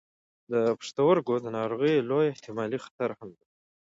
د پښتورګو د ناروغیو لوی احتمالي خطر هم دی.